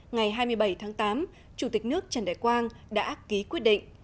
ngày hai mươi bảy tháng tám chủ tịch nước trần đại quang đã ký quyết định